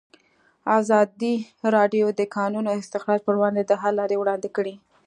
ازادي راډیو د د کانونو استخراج پر وړاندې د حل لارې وړاندې کړي.